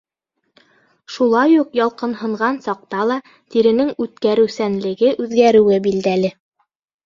Шулай уҡ ялҡынһынған саҡта ла тиренең үткәреүсәнлеге үҙгәреүе билдәле.